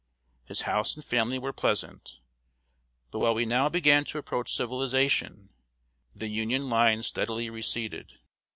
His house and family were pleasant. But while we now began to approach civilization, the Union lines steadily receded.